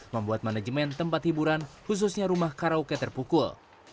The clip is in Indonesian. membuat manajemen tempat hiburan khususnya rumah karaoke terpukul